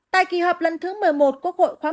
tại kỳ họp lần thứ một mươi một quốc hội khóa một mươi